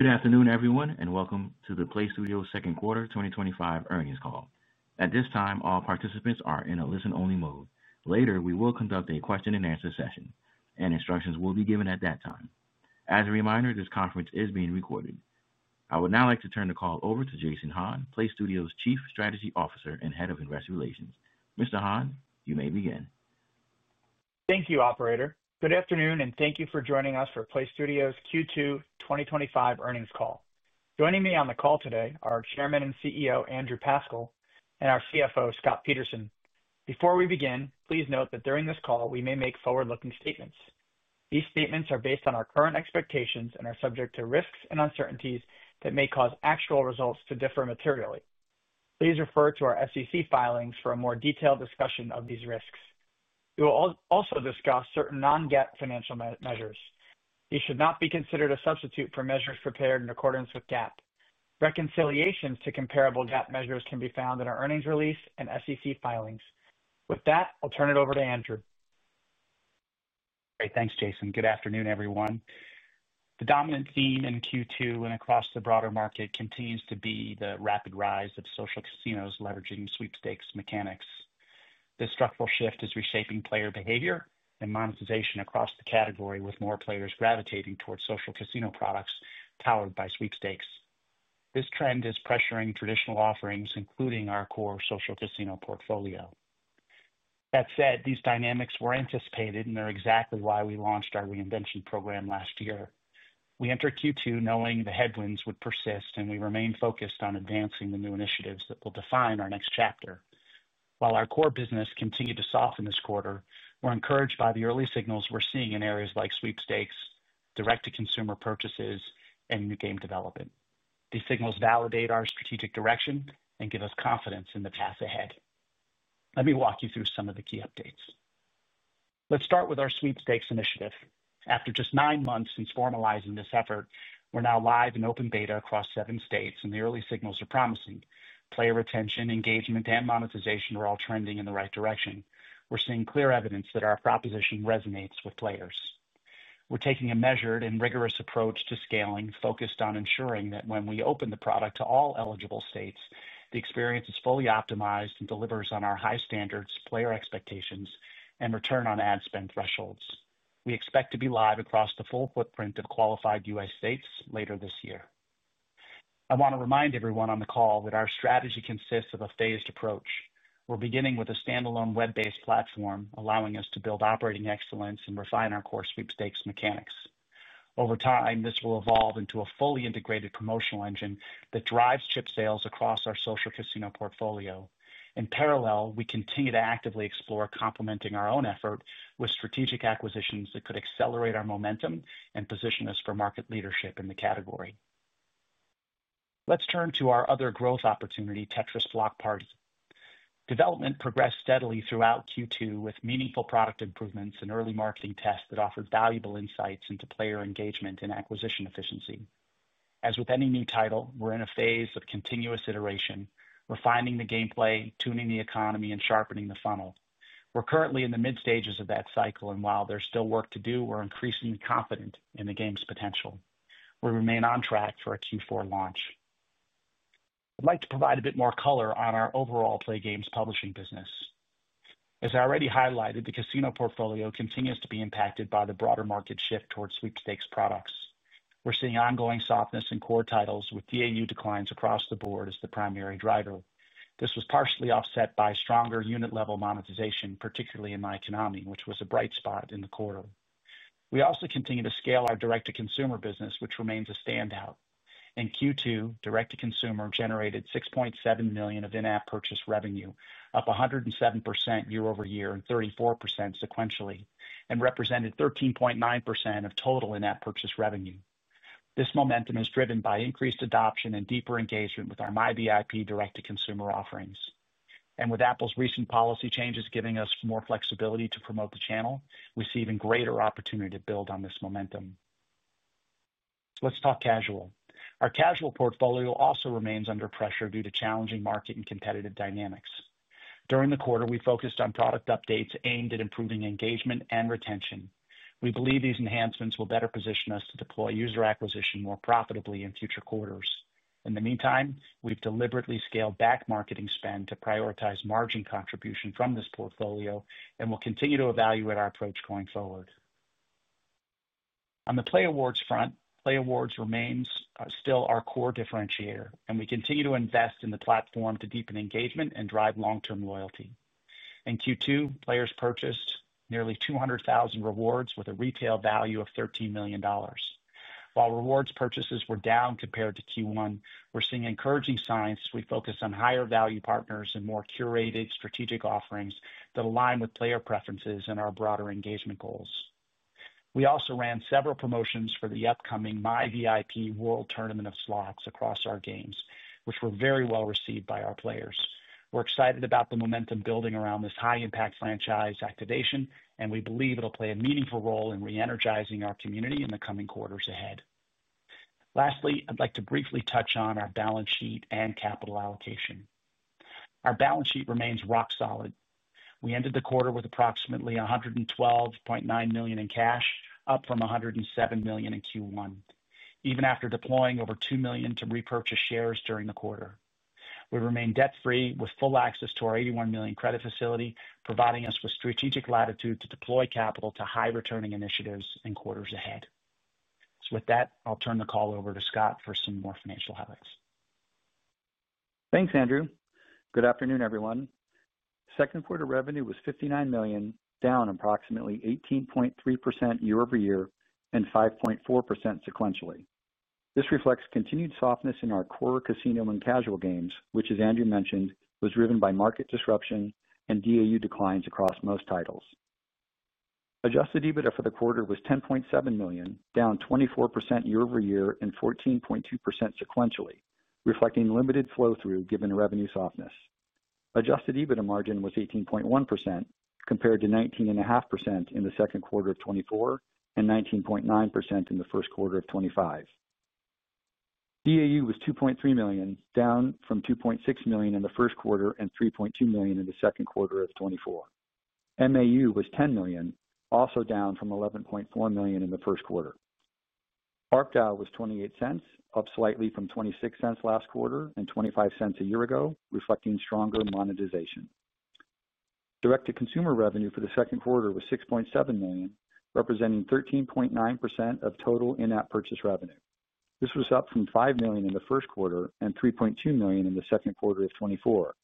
Good afternoon, everyone, and welcome to the PLAYSTUDIOS Second Quarter 2025 Earnings Call. At this time, all participants are in a listen-only mode. Later, we will conduct a question-and-answer session, and instructions will be given at that time. As a reminder, this conference is being recorded. I would now like to turn the call over to Jason Hahn, PLAYSTUDIOS Chief Strategy Officer and Head of Investor Relations. Mr. Hahn, you may begin. Thank you, Operator. Good afternoon, and thank you for joining us for PLAYSTUDIOS' Q2 2025 Earnings Call. Joining me on the call today are Chairman and CEO Andrew Pascal and our CFO, Scott Peterson. Before we begin, please note that during this call, we may make forward-looking statements. These statements are based on our current expectations and are subject to risks and uncertainties that may cause actual results to differ materially. Please refer to our SEC filings for a more detailed discussion of these risks. We will also discuss certain non-GAAP financial measures. These should not be considered a substitute for measures prepared in accordance with GAAP. Reconciliations to comparable GAAP measures can be found in our earnings release and SEC filings. With that, I'll turn it over to Andrew. Great, thanks, Jason. Good afternoon, everyone. The dominant theme in Q2 and across the broader market continues to be the rapid rise of social casinos leveraging sweepstakes mechanics. This structural shift is reshaping player behavior and monetization across the category, with more players gravitating towards social casino products powered by sweepstakes. This trend is pressuring traditional offerings, including our core social casino portfolio. That said, these dynamics were anticipated, and they're exactly why we launched our reinvention program last year. We entered Q2 knowing the headwinds would persist, and we remain focused on advancing the new initiatives that will define our next chapter. While our core business continued to soften this quarter, we're encouraged by the early signals we're seeing in areas like sweepstakes, direct-to-consumer purchases, and new game development. These signals validate our strategic direction and give us confidence in the path ahead. Let me walk you through some of the key updates. Let's start with our sweepstakes initiative. After just nine months since formalizing this effort, we're now live in open beta across seven states, and the early signals are promising. Player retention, engagement, and monetization are all trending in the right direction. We're seeing clear evidence that our proposition resonates with players. We're taking a measured and rigorous approach to scaling, focused on ensuring that when we open the product to all eligible states, the experience is fully optimized and delivers on our high standards, player expectations, and return on ad spend thresholds. We expect to be live across the full footprint of qualified U.S. states later this year. I want to remind everyone on the call that our strategy consists of a phased approach. We're beginning with a standalone web-based platform, allowing us to build operating excellence and refine our core sweepstakes mechanics. Over time, this will evolve into a fully integrated promotional engine that drives chip sales across our social casino portfolio. In parallel, we continue to actively explore complementing our own effort with strategic acquisitions that could accelerate our momentum and position us for market leadership in the category. Let's turn to our other growth opportunity, Tetris Block Party. Development progressed steadily throughout Q2, with meaningful product improvements and early marketing tests that offered valuable insights into player engagement and acquisition efficiency. As with any new title, we're in a phase of continuous iteration, refining the gameplay, tuning the economy, and sharpening the funnel. We're currently in the mid-stages of that cycle, and while there's still work to do, we're increasingly confident in the game's potential. We remain on track for a Q4 launch. I'd like to provide a bit more color on our overall play games publishing business. As I already highlighted, the casino portfolio continues to be impacted by the broader market shift towards sweepstakes products. We're seeing ongoing softness in core titles, with DAU declines across the board as the primary driver. This was partially offset by stronger unit-level monetization, particularly in myKONAMI, which was a bright spot in the quarter. We also continue to scale our direct-to-consumer business, which remains a standout. In Q2, direct-to-consumer generated $6.7 million of in-app purchase revenue, up 107% year-over-year and 34% sequentially, and represented 13.9% of total in-app purchase revenue. This momentum is driven by increased adoption and deeper engagement with our myVIP direct-to-consumer offerings. With Apple's recent policy changes giving us more flexibility to promote the channel, we see even greater opportunity to build on this momentum. Let's talk casual. Our casual portfolio also remains under pressure due to challenging market and competitive dynamics. During the quarter, we focused on product updates aimed at improving engagement and retention. We believe these enhancements will better position us to deploy user acquisition more profitably in future quarters. In the meantime, we've deliberately scaled back marketing spend to prioritize margin contribution from this portfolio and will continue to evaluate our approach going forward. On the playAWARDS front, playAWARDS remains still our core differentiator, and we continue to invest in the platform to deepen engagement and drive long-term loyalty. In Q2, players purchased nearly 200,000 rewards with a retail value of $13 million. While rewards purchases were down compared to Q1, we're seeing encouraging signs as we focus on higher-value partners and more curated strategic offerings that align with player preferences and our broader engagement goals. We also ran several promotions for the upcoming myVIP World Tournament of slots across our games, which were very well received by our players. We're excited about the momentum building around this high-impact franchise activation, and we believe it'll play a meaningful role in re-energizing our community in the coming quarters ahead. Lastly, I'd like to briefly touch on our balance sheet and capital allocation. Our balance sheet remains rock solid. We ended the quarter with approximately $112.9 million in cash, up from $107 million in Q1, even after deploying over $2 million to repurchase shares during the quarter. We remain debt-free with full access to our $81 million credit facility, providing us with strategic latitude to deploy capital to high-returning initiatives in quarters ahead. With that, I'll turn the call over to Scott for some more financial highlights. Thanks, Andrew. Good afternoon, everyone. Second quarter revenue was $59 million, down approximately 18.3% year-over-year and 5.4% sequentially. This reflects continued softness in our core social casino and casual game portfolios, which, as Andrew mentioned, was driven by market disruption and DAU declines across most titles. Adjusted EBITDA for the quarter was $10.7 million, down 24% year-over-year and 14.2% sequentially, reflecting limited flow-through given revenue softness. Adjusted EBITDA margin was 18.1%, compared to 19.5% in the second quarter of 2024 and 19.9% in the first quarter of 2025. DAU was 2.3 million, down from 2.6 million in the first quarter and 3.2 million in the second quarter of 2024. MAU was 10 million, also down from 11.4 million in the first quarter. ARPDAU was $0.28, up slightly from $0.26 last quarter and $0.25 a year ago, reflecting stronger monetization. Direct-to-consumer revenue for the second quarter was $6.7 million, representing 13.9% of total in-app purchase revenue. This was up from $5 million in the first quarter and $3.2 million in the second quarter of 2024.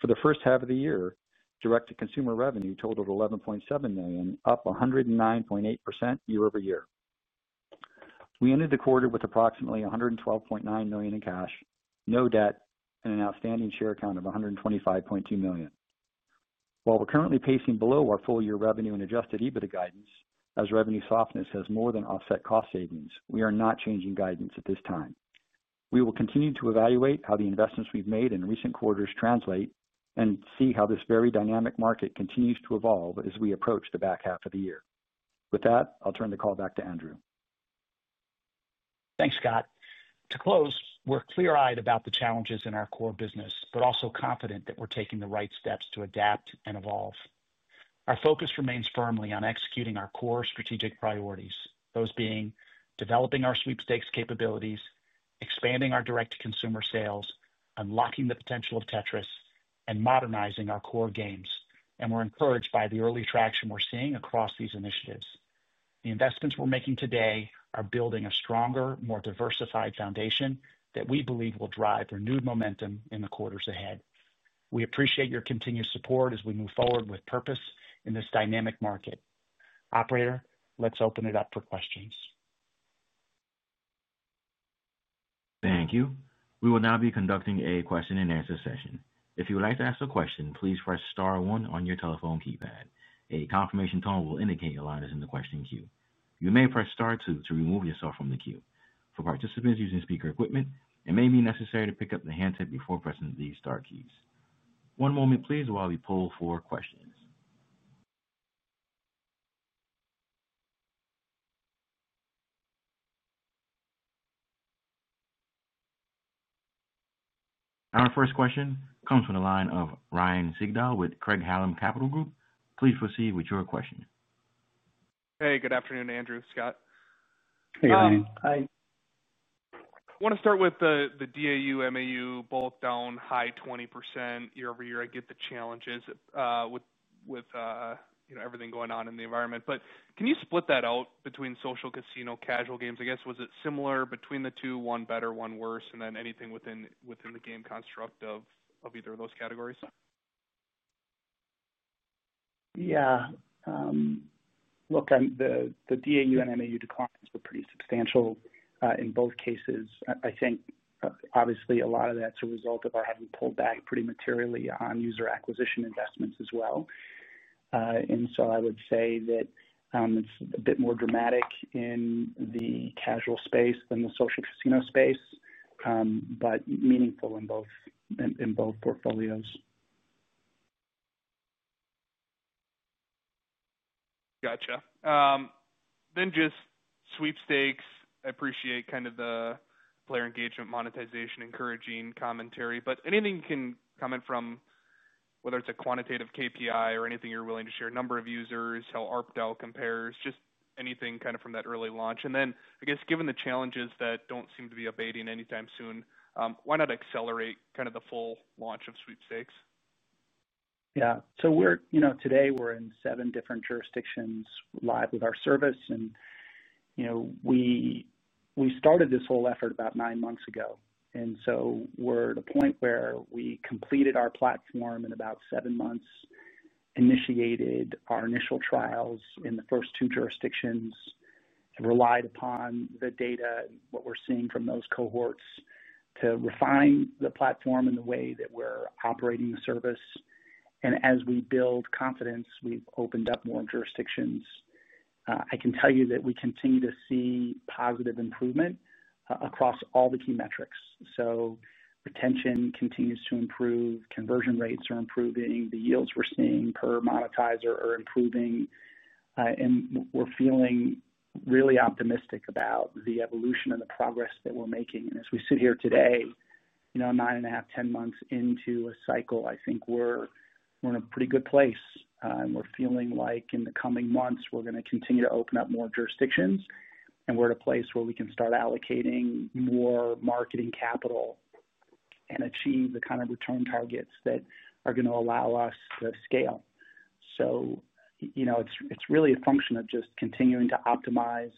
For the first half of the year, direct-to-consumer revenue totaled $11.7 million, up 109.8% year-over-year. We ended the quarter with approximately $112.9 million in cash, no debt, and an outstanding share count of 125.2 million. While we're currently pacing below our full-year revenue and adjusted EBITDA guidance, as revenue softness has more than offset cost savings, we are not changing guidance at this time. We will continue to evaluate how the investments we've made in recent quarters translate and see how this very dynamic market continues to evolve as we approach the back half of the year. With that, I'll turn the call back to Andrew. Thanks, Scott. To close, we're clear-eyed about the challenges in our core business, but also confident that we're taking the right steps to adapt and evolve. Our focus remains firmly on executing our core strategic priorities, those being developing our sweepstakes capabilities, expanding our direct-to-consumer sales, unlocking the potential of Tetris, and modernizing our core games. We're encouraged by the early traction we're seeing across these initiatives. The investments we're making today are building a stronger, more diversified foundation that we believe will drive renewed momentum in the quarters ahead. We appreciate your continued support as we move forward with purpose in this dynamic market. Operator, let's open it up for questions. Thank you. We will now be conducting a question-and-answer session. If you would like to ask a question, please press star one on your telephone keypad. A confirmation tone will indicate your line is in the question queue. You may press star two to remove yourself from the queue. For participants using speaker equipment, it may be necessary to pick up the handset before pressing these star queues. One moment, please, while we pull for questions. Our first question comes from the line of Ryan Sigdahl with Craig-Hallum Capital Group. Please proceed with your question. Hey, good afternoon, Andrew, Scott. Hey, Ryan. Hi. I want to start with the DAU, MAU both down high 20% year-over-year. I get the challenges with, you know, everything going on in the environment. Can you split that out between core social casino and casual game portfolios? Was it similar between the two, one better, one worse, and then anything within the game construct of either of those categories? Yeah. Look, the DAU and MAU declines were pretty substantial in both cases. I think, obviously, a lot of that's a result of our having pulled back pretty materially on user acquisition investments as well. I would say that it's a bit more dramatic in the casual space than the social casino space, but meaningful in both portfolios. Gotcha. Regarding sweepstakes, I appreciate kind of the player engagement, monetization, encouraging commentary. Is there anything you can comment from, whether it's a quantitative KPI or anything you're willing to share, number of users, how ARPDAU compares, just anything kind of from that early launch? I guess, given the challenges that don't seem to be abating anytime soon, why not accelerate kind of the full launch of sweepstakes? Yeah. Today we're in seven different jurisdictions live with our service. We started this whole effort about nine months ago. We're at a point where we completed our platform in about seven months, initiated our initial trials in the first two jurisdictions, relied upon the data and what we're seeing from those cohorts to refine the platform in the way that we're operating service. As we build confidence, we've opened up more jurisdictions. I can tell you that we continue to see positive improvement across all the key metrics. Retention continues to improve. Conversion rates are improving. The yields we're seeing per monetizer are improving. We're feeling really optimistic about the evolution and the progress that we're making. As we sit here today, nine and a half, ten months into a cycle, I think we're in a pretty good place. We're feeling like in the coming months, we're going to continue to open up more jurisdictions. We're at a place where we can start allocating more marketing capital and achieve the kind of return targets that are going to allow us to scale. It's really a function of just continuing to optimize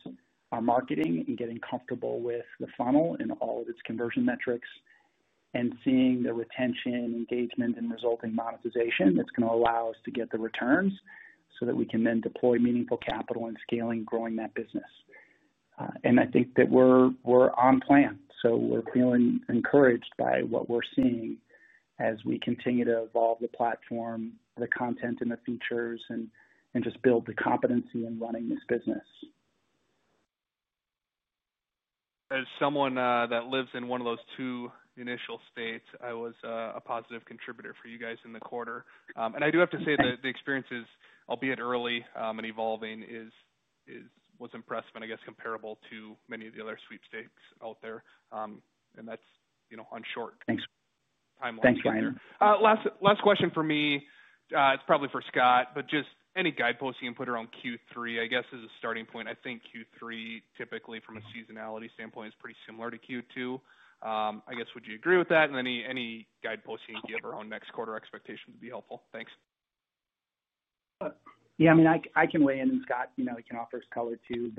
our marketing and getting comfortable with the funnel and all of its conversion metrics and seeing the retention, engagement, and resulting monetization that's going to allow us to get the returns so that we can then deploy meaningful capital and scale and grow that business. I think that we're on plan. We're feeling encouraged by what we're seeing as we continue to evolve the platform, the content, and the features and just build the competency in running this business. As someone that lives in one of those two initial states, I was a positive contributor for you guys in the quarter. I do have to say that the experiences, albeit early and evolving, was impressive. I guess comparable to many of the other sweepstakes out there, that's on short timelines. Thanks, Ryan. Last question for me, it's probably for Scott, but just any guideposts you can put around Q3, I guess, as a starting point. I think Q3 typically, from a seasonality standpoint, is pretty similar to Q2. Would you agree with that? Any guideposts you can give around next quarter expectations would be helpful. Thanks. Yeah, I mean, I can weigh in, and Scott, you know, he can offer his color too.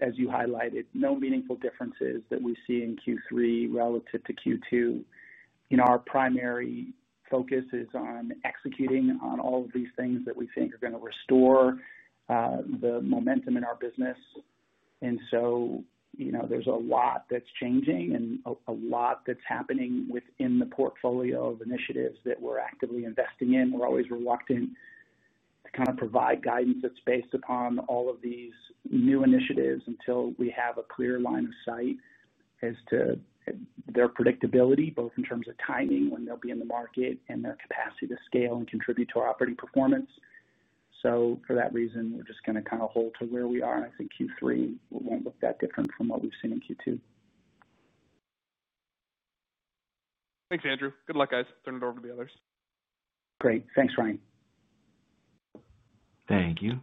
As you highlighted, no meaningful differences that we see in Q3 relative to Q2. Our primary focus is on executing on all of these things that we think are going to restore the momentum in our business. There's a lot that's changing and a lot that's happening within the portfolio of initiatives that we're actively investing in. We're always reluctant to kind of provide guidance that's based upon all of these new initiatives until we have a clear line of sight as to their predictability, both in terms of timing when they'll be in the market and their capacity to scale and contribute to our operating performance. For that reason, we're just going to kind of hold to where we are. I think Q3 won't look that different from what we've seen in Q2. Thanks, Andrew. Good luck, guys. Turn it over to the others. Great. Thanks, Ryan. Thank you.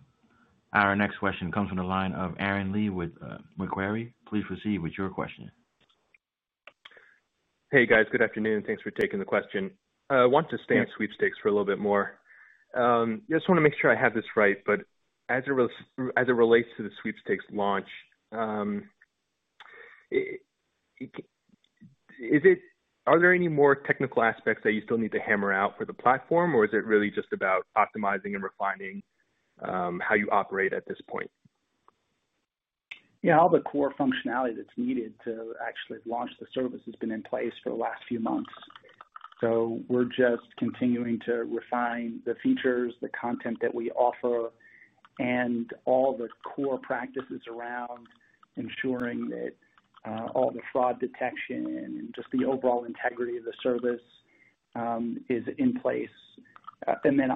Our next question comes from the line of Aaron Lee with Macquarie. Please proceed with your question. Hey, guys, good afternoon. Thanks for taking the question. I want to stay on sweepstakes for a little bit more. I just want to make sure I have this right. As it relates to the sweepstakes launch, are there any more technical aspects that you still need to hammer out for the platform, or is it really just about optimizing and refining how you operate at this point? Yeah, all the core functionality that's needed to actually launch the service has been in place for the last few months. We're just continuing to refine the features, the content that we offer, and all the core practices around ensuring that all the fraud detection and just the overall integrity of the service is in place.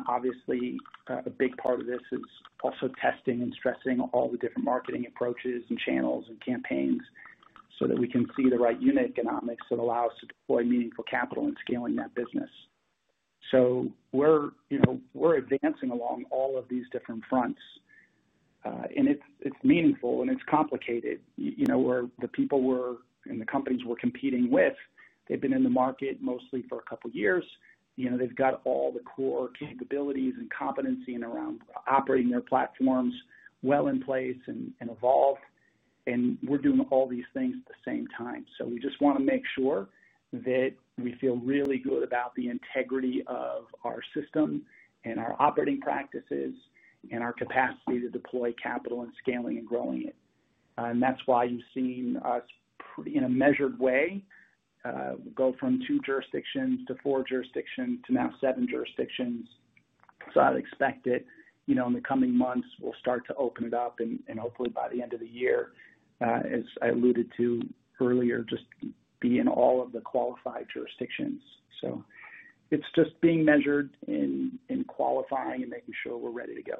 Obviously, a big part of this is also testing and stressing all the different marketing approaches and channels and campaigns so that we can see the right unit economics that allow us to deploy meaningful capital and scaling that business. We're advancing along all of these different fronts. It's meaningful and it's complicated. The people and the companies we're competing with, they've been in the market mostly for a couple of years. They've got all the core capabilities and competency around operating their platforms well in place and evolved. We're doing all these things at the same time. We just want to make sure that we feel really good about the integrity of our system and our operating practices and our capacity to deploy capital and scaling and growing it. That's why you've seen us, in a measured way, go from two jurisdictions to four jurisdictions to now seven jurisdictions. I'd expect that, in the coming months, we'll start to open it up and hopefully by the end of the year, as I alluded to earlier, just be in all of the qualified jurisdictions. It's just being measured and qualifying and making sure we're ready to go.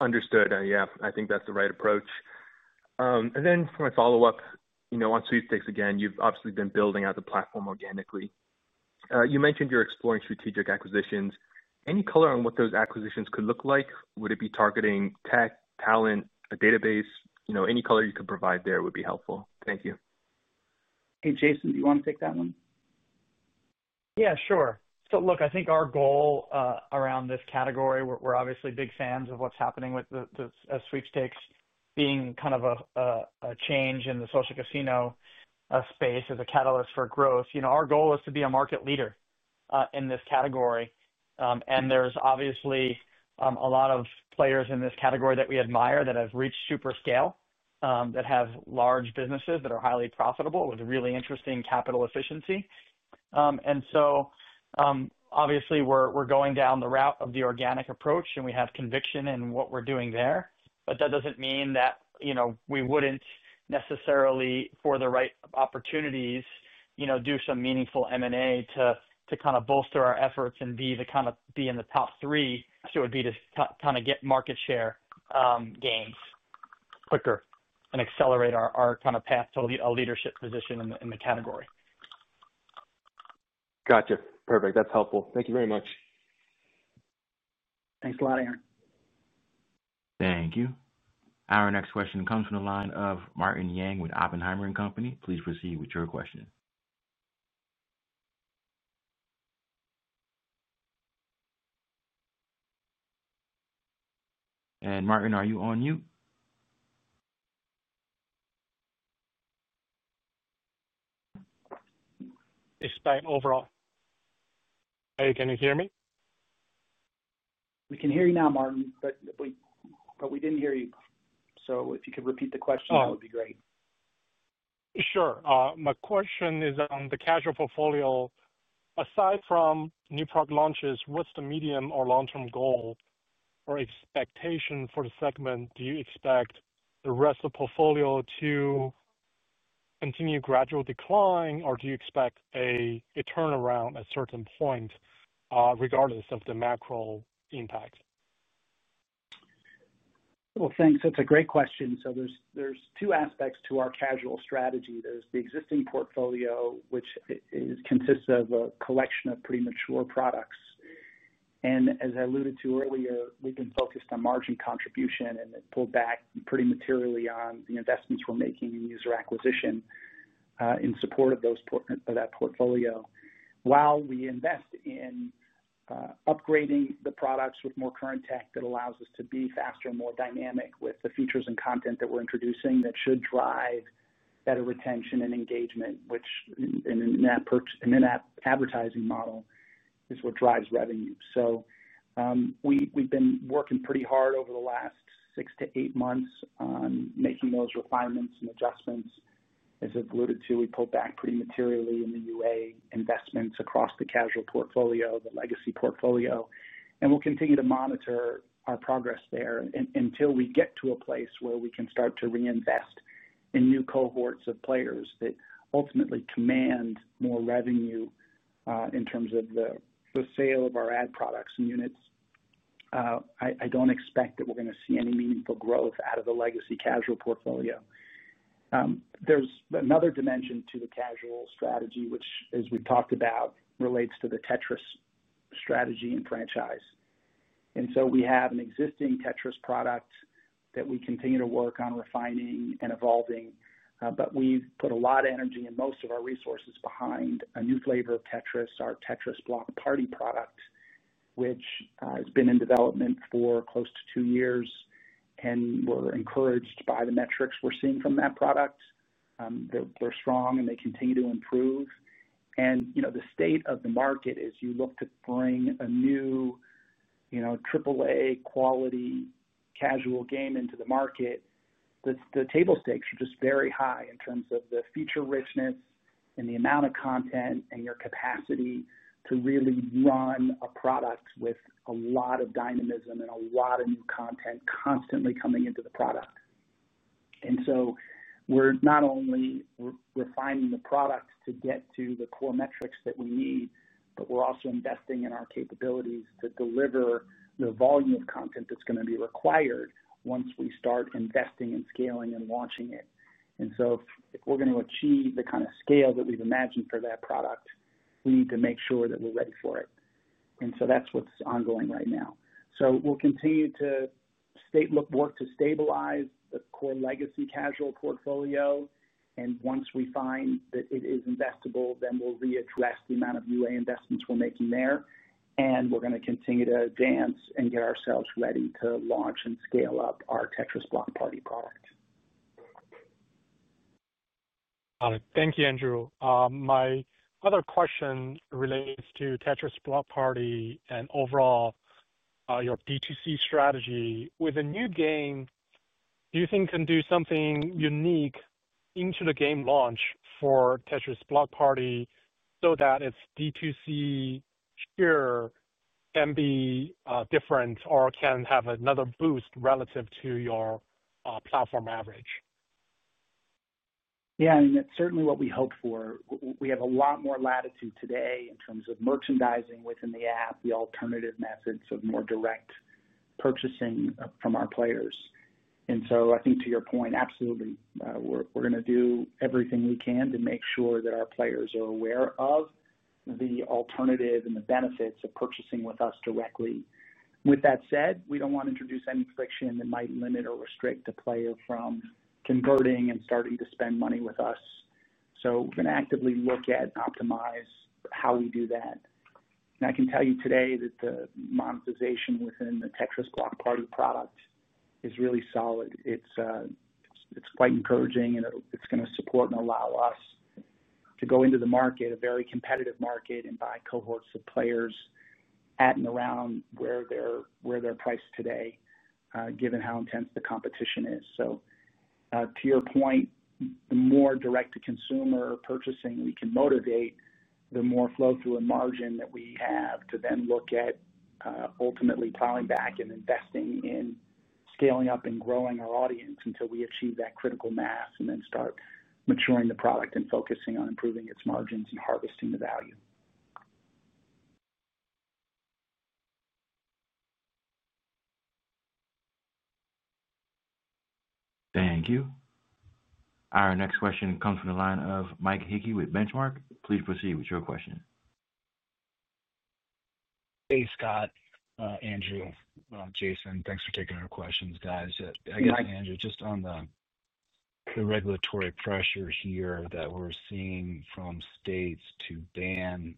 Understood. I think that's the right approach. For my follow-up, on sweepstakes again, you've obviously been building out the platform organically. You mentioned you're exploring strategic acquisitions. Any color on what those acquisitions could look like? Would it be targeting tech, talent, a database? Any color you could provide there would be helpful. Thank you. Hey, Jason, do you want to take that one? Yeah, sure. I think our goal around this category, we're obviously big fans of what's happening with the sweepstakes being kind of a change in the social casino space as a catalyst for growth. Our goal is to be a market leader in this category. There's obviously a lot of players in this category that we admire that have reached super scale, that have large businesses that are highly profitable with really interesting capital efficiency. We're going down the route of the organic approach, and we have conviction in what we're doing there. That doesn't mean that we wouldn't necessarily, for the right opportunities, do some meaningful M&A to kind of bolster our efforts and be in the top three. It would be to get market share gains quicker and accelerate our path to a leadership position in the category. Gotcha. Perfect. That's helpful. Thank you very much. Thanks a lot, Aaron Lee. Thank you. Our next question comes from the line of Martin Yang with Oppenheimer & Co. Inc. Please proceed with your question. Martin, are you on mute? It's spammed overall. Can you hear me? We can hear you now, Martin, but we didn't hear you earlier. If you could repeat the question, that would be great. Sure. My question is on the casual game portfolios. Aside from new product launches, what's the medium or long-term goal or expectation for the segment? Do you expect the rest of the portfolio to continue gradual decline, or do you expect a turnaround at a certain point, regardless of the macro impact? That's a great question. There are two aspects to our casual strategy. There's the existing portfolio, which consists of a collection of pretty mature products. As I alluded to earlier, we've been focused on margin contribution and pulled back pretty materially on the investments we're making in user acquisition in support of that portfolio. While we invest in upgrading the products with more current tech that allows us to be faster and more dynamic with the features and content that we're introducing, that should drive better retention and engagement, which in an in-app advertising model is what drives revenue. We've been working pretty hard over the last six to eight months on making those requirements and adjustments. As I've alluded to, we pulled back pretty materially in the UA investments across the casual portfolio, the legacy portfolio. We'll continue to monitor our progress there until we get to a place where we can start to reinvest in new cohorts of players that ultimately command more revenue in terms of the sale of our ad products and units. I don't expect that we're going to see any meaningful growth out of the legacy casual portfolio. There's another dimension to the casual strategy, which, as we've talked about, relates to the Tetris strategy and franchise. We have an existing Tetris product that we continue to work on refining and evolving. We've put a lot of energy and most of our resources behind a new flavor of Tetris, our Tetris Block Party product, which has been in development for close to two years. We're encouraged by the metrics we're seeing from that product. They're strong and they continue to improve. You know the state of the market, as you look to bring a new AAA quality casual game into the market, the table stakes are just very high in terms of the feature richness and the amount of content and your capacity to really run a product with a lot of dynamism and a lot of new content constantly coming into the product. We're not only refining the product to get to the core metrics that we need, but we're also investing in our capabilities to deliver the volume of content that's going to be required once we start investing in scaling and launching it. If we're going to achieve the kind of scale that we've imagined for that product, we need to make sure that we're ready for it. That's what's ongoing right now. We'll continue to work to stabilize the core legacy casual portfolio. Once we find that it is investable, then we'll readdress the amount of UA investments we're making there. We're going to continue to dance and get ourselves ready to launch and scale up our Tetris Block Party product. Got it. Thank you, Andrew. My other question relates to Tetris Block Party and overall your D2C strategy. With a new game, do you think you can do something unique into the game launch for Tetris Block Party so that its D2C tier can be different or can have another boost relative to your platform average? Yeah, I mean, that's certainly what we hope for. We have a lot more latitude today in terms of merchandising within the app, the alternative methods of more direct purchasing from our players. I think to your point, absolutely, we're going to do everything we can to make sure that our players are aware of the alternative and the benefits of purchasing with us directly. With that said, we don't want to introduce any friction that might limit or restrict the player from converting and starting to spend money with us. We are going to actively look at and optimize how we do that. I can tell you today that the monetization within the Tetris Block Party product is really solid. It's quite encouraging, and it's going to support and allow us to go into the market, a very competitive market, and buy cohorts of players at and around where they're priced today, given how intense the competition is. To your point, the more direct-to-consumer purchasing we can motivate, the more flow-through and margin that we have to then look at ultimately plowing back and investing in scaling up and growing our audience until we achieve that critical mass and then start maturing the product and focusing on improving its margins and harvesting the value. Thank you. Our next question comes from the line of Michael Hickey with Benchmark Co. Please proceed with your question. Hey, Scott, Andrew, Jason, thanks for taking our questions, guys. I guess, Andrew, just on the regulatory pressures here that we're seeing from states to ban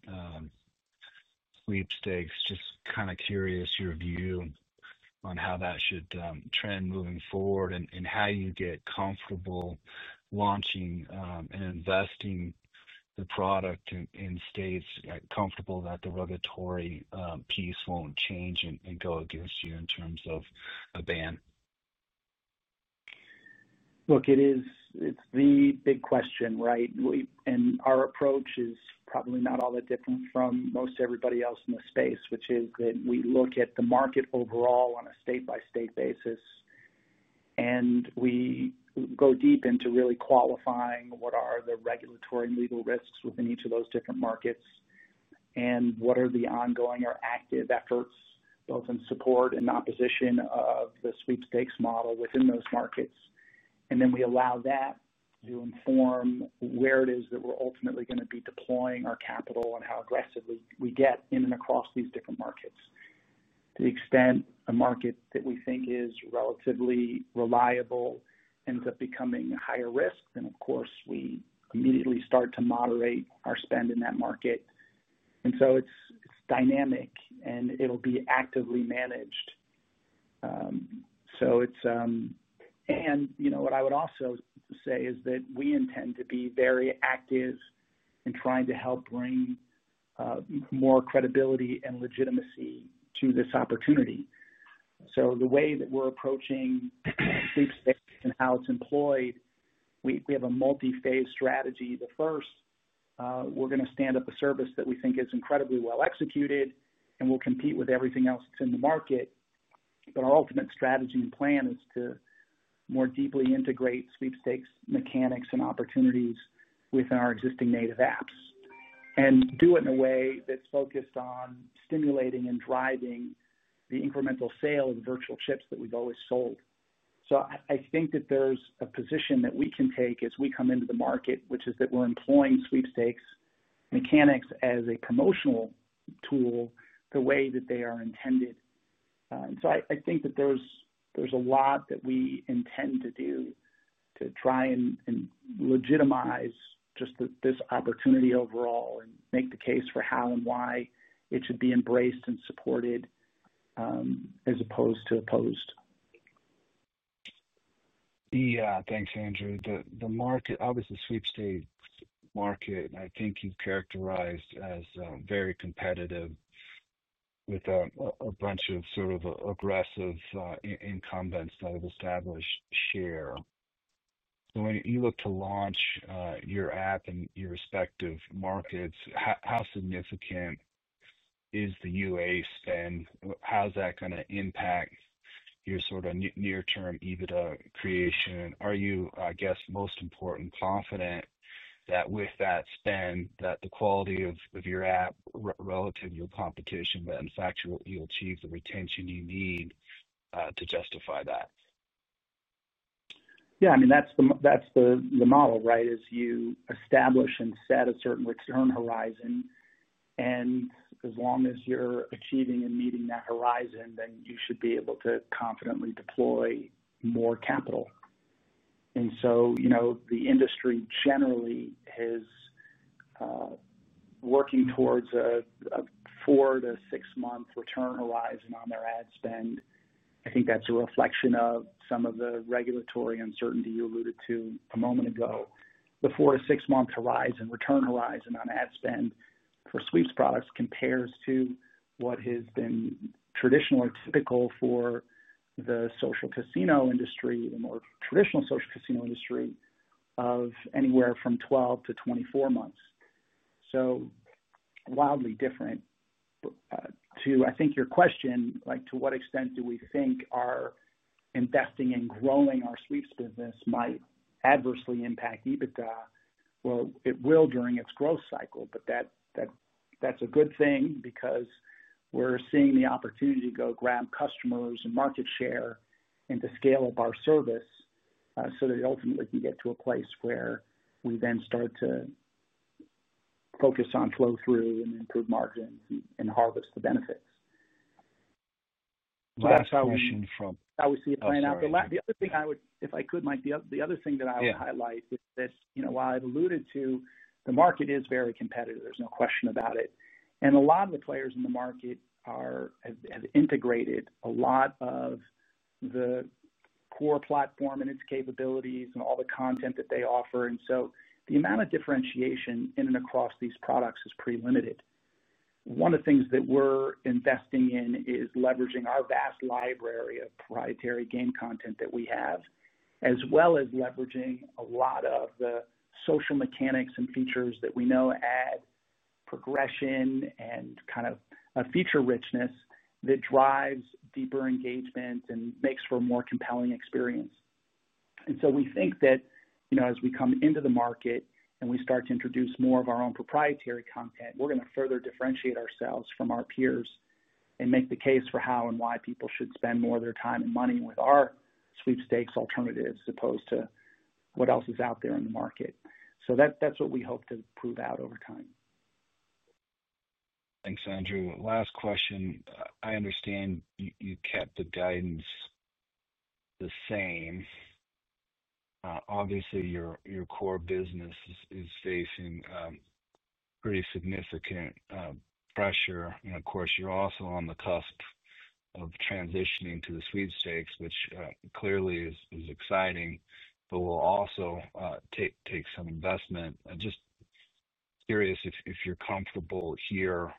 sweepstakes, just kind of curious your view on how that should trend moving forward and how you get comfortable launching and investing the product in states, comfortable that the regulatory piece won't change and go against you in terms of a ban. Look, it's the big question, right? Our approach is probably not all that different from most everybody else in the space, which is that we look at the market overall on a state-by-state basis. We go deep into really qualifying what are the regulatory and legal risks within each of those different markets and what are the ongoing or active efforts, both in support and opposition of the sweepstakes model within those markets. We allow that to inform where it is that we're ultimately going to be deploying our capital and how aggressively we get in and across these different markets. To the extent a market that we think is relatively reliable ends up becoming higher risk, of course, we immediately start to moderate our spend in that market. It is dynamic, and it'll be actively managed. What I would also say is that we intend to be very active in trying to help bring more credibility and legitimacy to this opportunity. The way that we're approaching sweepstakes and how it's employed, we have a multi-phase strategy. The first, we're going to stand up a service that we think is incredibly well executed and will compete with everything else that's in the market. Our ultimate strategy and plan is to more deeply integrate sweepstakes mechanics and opportunities within our existing native apps and do it in a way that's focused on stimulating and driving the incremental sale of the virtual chips that we've always sold. I think that there's a position that we can take as we come into the market, which is that we're employing sweepstakes mechanics as a promotional tool the way that they are intended. I think that there's a lot that we intend to do to try and legitimize just this opportunity overall and make the case for how and why it should be embraced and supported as opposed to opposed. Yeah, thanks, Andrew. The market, obviously, the sweepstakes market, I think you've characterized as very competitive with a bunch of sort of aggressive incumbents that have established share. When you look to launch your app in your respective markets, how significant is the UA spend? How is that going to impact your sort of near-term EBITDA creation? Are you, I guess most important, confident that with that spend, that the quality of your app relative to your competition, that in fact, you'll achieve the retention you need to justify that? Yeah, I mean, that's the model, right, is you establish and set a certain return horizon. As long as you're achieving and meeting that horizon, then you should be able to confidently deploy more capital. The industry generally is working towards a four to six-month return horizon on their ad spend. I think that's a reflection of some of the regulatory uncertainty you alluded to a moment ago. The four to six-month return horizon on ad spend for sweeps products compares to what has been traditional or typical for the social casino industry, the more traditional social casino industry, of anywhere from 12 months-24 months. That's wildly different to, I think, your question, like to what extent do we think our investing and growing our sweeps business might adversely impact EBITDA? It will during its growth cycle, but that's a good thing because we're seeing the opportunity to go grab customers and market share and to scale up our service so that ultimately we can get to a place where we then start to focus on flow-through and improve margins and harvest the benefits. That's how we see it playing out. The other thing I would, if I could, Mike, the other thing that I would highlight is this: while I've alluded to the market is very competitive, there's no question about it. A lot of the players in the market have integrated a lot of the core platform and its capabilities and all the content that they offer, and the amount of differentiation in and across these products is pretty limited. One of the things that we're investing in is leveraging our vast library of proprietary game content that we have, as well as leveraging a lot of the social mechanics and features that we know add progression and kind of a feature richness that drives deeper engagement and makes for a more compelling experience. We think that, as we come into the market and we start to introduce more of our own proprietary content, we're going to further differentiate ourselves from our peers and make the case for how and why people should spend more of their time and money with our sweepstakes alternatives as opposed to what else is out there in the market. That's what we hope to prove out over time. Thanks, Andrew. Last question. I understand you kept the guidance the same. Obviously, your core business is facing pretty significant pressure, and of course, you're also on the cusp of transitioning to the sweepstakes, which clearly is exciting, but will also take some investment. I'm just curious if you're comfortable here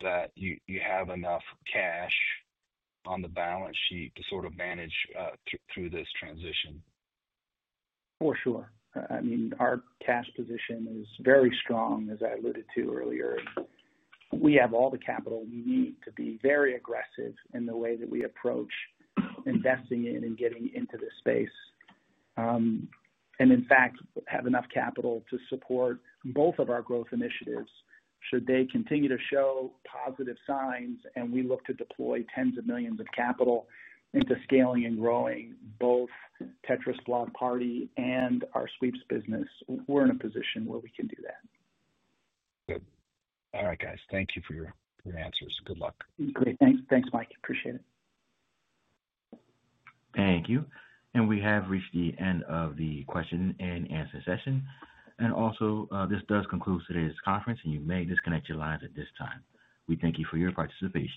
that you have enough cash on the balance sheet to sort of manage through this transition. Our cash position is very strong, as I alluded to earlier. We have all the capital we need to be very aggressive in the way that we approach investing in and getting into this space. In fact, we have enough capital to support both of our growth initiatives. Should they continue to show positive signs and we look to deploy tens of millions of capital into scaling and growing both Tetris Block Party and our sweeps business, we're in a position where we can do that. All right, guys, thank you for your answers. Good luck. Great. Thanks, Mike. Appreciate it. Thank you. We have reached the end of the question-and-answer session. This does conclude today's conference, and you may disconnect your lines at this time. We thank you for your participation.